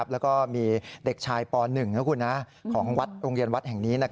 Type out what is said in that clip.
แล้วก็มีเด็กชายป๑ของวัดโรงเรียนวัดแห่งนี้